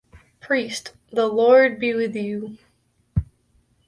Priest: The Lord be with you.